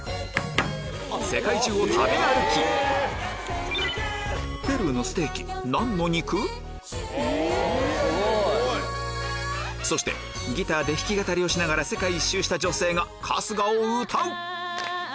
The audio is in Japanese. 世界中を食べ歩きすごい！そしてギターで弾き語りをしながら世界一周した女性が春日を歌う！